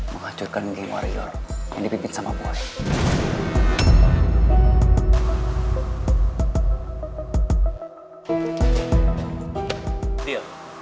menghancurkan geng warior yang dipimpin sama boy